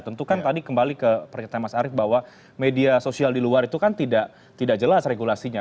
tentu kan tadi kembali ke pernyataan mas arief bahwa media sosial di luar itu kan tidak jelas regulasinya